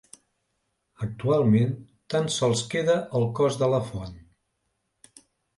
Actualment tan sols queda el cos de la font.